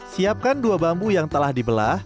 siapkan dua bambu yang telah dibelah